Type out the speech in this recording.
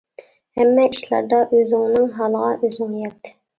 ھەممە ئىشلاردا ئۆزۈڭنىڭ ھالىغا ئۆزۈڭ يەت.